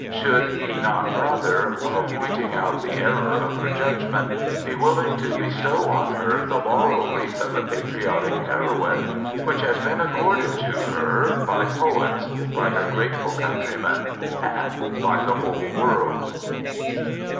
Should he not rather, while pointing out the error of her judgment, be willing to bestow on her the laurel wreath of a patriotic heroine, which has been accorded to her by poets, by her grateful countrymen, and by the whole world?